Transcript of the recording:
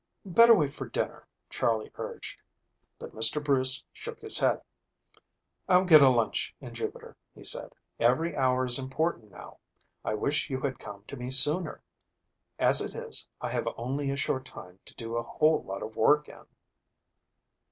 "Better wait for dinner," Charley urged, but Mr. Bruce shook his head. "I'll get a lunch in Jupiter," he said. "Every hour is important now. I wish you had come to me sooner; as it is, I have only a short time to do a whole lot of work in."